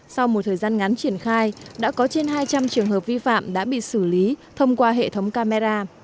sau một thời gian ngắn triển khai đã có trên hai trăm linh trường hợp vi phạm đã bị xử lý thông qua hệ thống camera